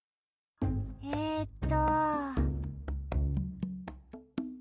えっと。